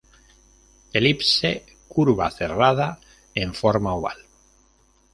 Elipse: curva cerrada en forma oval.